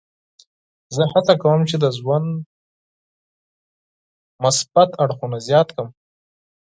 زه هڅه کوم چې د ژوند مثبت اړخونه زیات کړم.